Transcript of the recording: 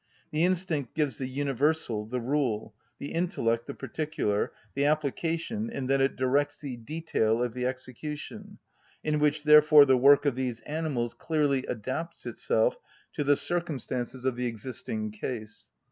The instinct gives the universal, the rule; the intellect the particular, the application, in that it directs the detail of the execution, in which therefore the work of these animals clearly adapts itself to the circumstances of the existing case.